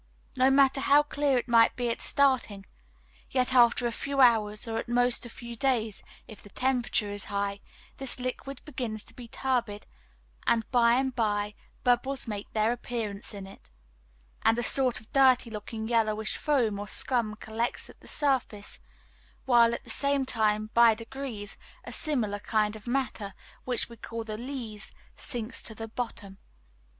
No matter how clear it might be at starting, yet after a few hours, or at most a few days, if the temperature is high, this liquid begins to be turbid, and by and by bubbles make their appearance in it, and a sort of dirty looking yellowish foam or scum collects at the surface; while at the same time, by degrees, a similar kind of matter, which we call the "lees," sinks to the bottom.